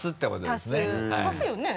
足すよね？